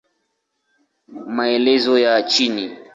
Maelezo ya chini